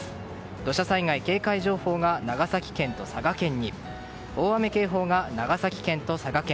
土砂災害警戒情報が長崎県と佐賀県に大雨警報が長崎県と佐賀県